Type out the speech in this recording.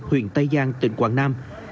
huyện tây giang tỉnh quảng nam